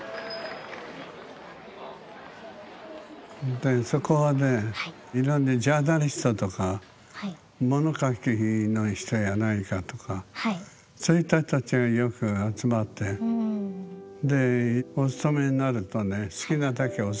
でそこはねいろんなジャーナリストとか物書きの人や何かとかそういった人たちがよく集まってでお勤めになるとね